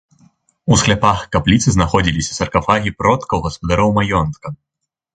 У скляпах капліцы знаходзіліся саркафагі продкаў гаспадароў маёнтка.